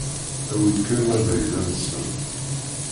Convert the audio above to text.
Awi-d kan ma d ayla-nsen.